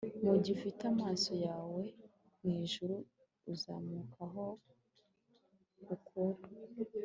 mugihe, ufite amaso yawe mwijuru, uzamuka aho ukura